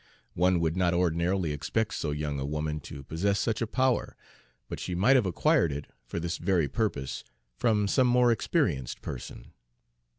One would not ordinarily expect so young a woman to possess such a power, but she might have acquired it, for this very purpose, from some more experienced person.